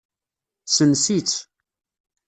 Sens-itt.